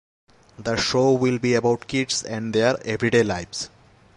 The show will be about kids and their everyday lives.